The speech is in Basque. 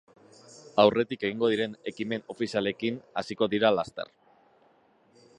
Aurretik egingo diren ekimen ofizialekin hasiko dira laster.